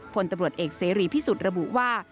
พลตำรวจเอกเสรีพิสุทธิ์ระบุว่า